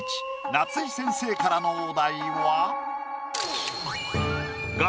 夏井先生からのお題は。